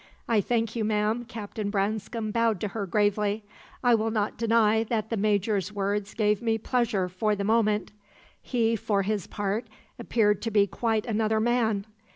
"I thank you, ma'am." Captain Branscome bowed to her gravely. "I will not deny that the Major's words gave me pleasure for the moment. He, for his part, appeared to be quite another man.